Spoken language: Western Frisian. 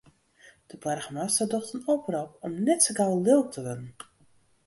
De boargemaster docht in oprop om net sa gau lilk te wurden.